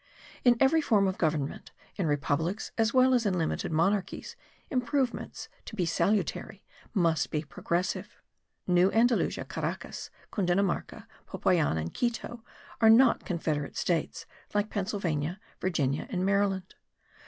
In every form of government, in republics as well as in limited monarchies, improvements, to be salutary, must be progressive. New Andalusia, Caracas, Cundinamarca, Popayan and Quito, are not confederate states like Pennsylvania, Virginia and Maryland.